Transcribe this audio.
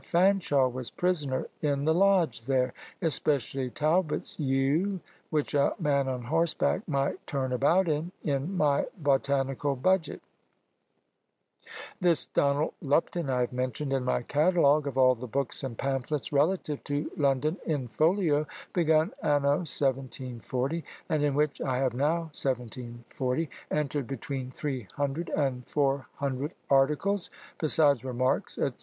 Fanshaw was prisoner in the lodge there; especially Talbot's yew, which a man on horseback might turn about in, in my botanical budget. This Donald Lupton I have mentioned in my catalogue of all the books and pamphlets relative to London in folio, begun anno 1740, and in which I have now, 1740, entered between 300 and 400 articles, besides remarks, &c.